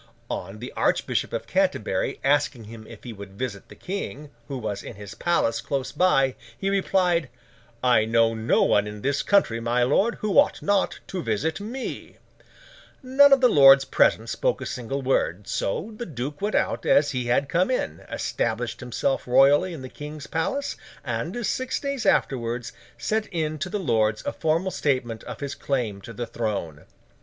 On the Archbishop of Canterbury, asking him if he would visit the King, who was in his palace close by, he replied, 'I know no one in this country, my lord, who ought not to visit me.' None of the lords present spoke a single word; so, the duke went out as he had come in, established himself royally in the King's palace, and, six days afterwards, sent in to the Lords a formal statement of his claim to the throne.